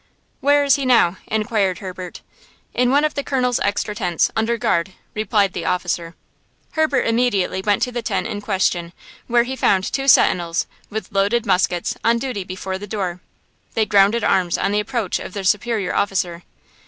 "Where is he now?" inquired Herbert. "In one of the Colonel's extra tents, under guard," replied the officer. Herbert immediately went to the tent in question, where he found two sentinels, with loaded muskets, on duty before the door. They grounded arms on the approach of their superior officer.